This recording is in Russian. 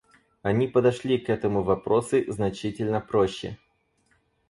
Они подошли к этому вопросы значительно проще.